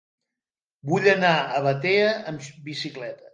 Vull anar a Batea amb bicicleta.